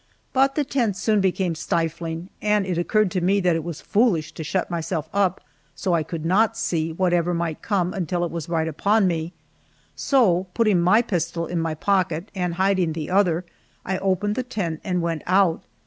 But the tent soon became stifling, and it occurred to me that it was foolish to shut myself up so I could not see whatever might come until it was right upon me, so putting my pistol in my pocket and hiding the other, I opened the tent and went out.